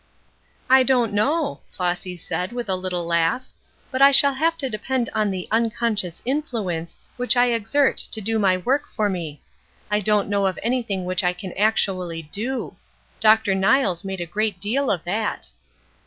"I don't know," Flossy said, with a little laugh, "but I shall have to depend on the 'unconscious influence' which I exert to do my work for me. I don't know of anything which I can actually do. Dr. Niles made a great deal of that."